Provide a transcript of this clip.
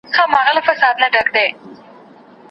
چي وعدې یې د کوثر د جام کولې